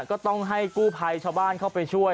ก็ต้องให้กู้ภัยชาวบ้านเข้าไปช่วย